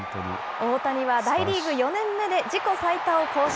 大谷は大リーグ４年目で自己最多を更新。